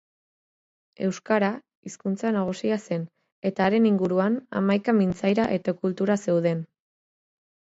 Euskara hizkuntza nagusia zen eta haren inguruan hamaika mintzaira eta kultura zeuden.